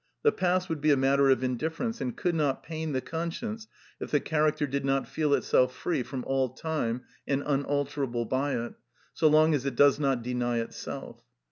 The past would be a matter of indifference, and could not pain the conscience if the character did not feel itself free from all time and unalterable by it, so long as it does not deny itself.